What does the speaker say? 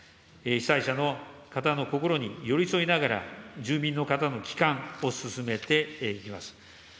被災者の方の心に寄り添いながら、住民の方の帰還を進めていきます。